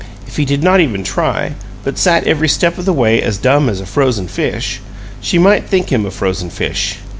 If he did not even try, but sat every step of the way as dumb as a frozen fish, she might THINK him a frozen fish.